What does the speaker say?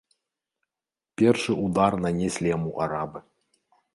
Першы ўдар нанеслі яму арабы.